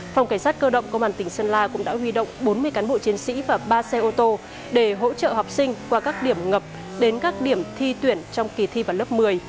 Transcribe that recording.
phòng cảnh sát cơ động công an tỉnh sơn la cũng đã huy động bốn mươi cán bộ chiến sĩ và ba xe ô tô để hỗ trợ học sinh qua các điểm ngập đến các điểm thi tuyển trong kỳ thi vào lớp một mươi